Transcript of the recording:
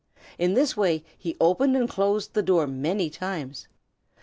In this way he opened and closed the door many times.